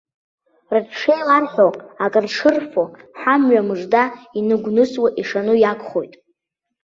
Рыҽшеиларҳәо, акыршырфо, ҳамҩа мыжда иныгәнысуа ишану иагхоит.